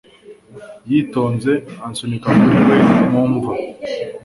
yitonze ansunika kuri we mu mva